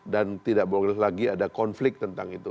dan tidak boleh lagi ada konflik tentang itu